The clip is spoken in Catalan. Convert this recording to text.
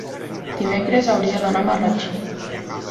Dimecres hauria d'anar a Marratxí.